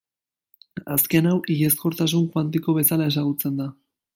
Azken hau, hilezkortasun kuantiko bezala ezagutzen da.